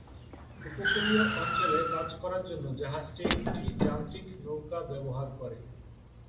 উপকূলীয় অঞ্চলে কাজ করার জন্য জাহাজটি একটি যান্ত্রিক নৌকা ব্যবহার করে।